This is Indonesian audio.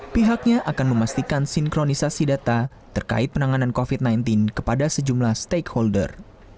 pihaknya akan memastikan sinkronisasi data terkait penanganan covid sembilan belas kepada sejumlah stakeholder